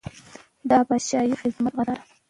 د پاچاهۍ خدمت غزا ده.